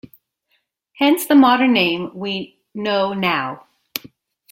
Hence the modern name we know now.